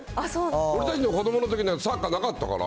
俺たちの子どものときなんてサッカーなかったから。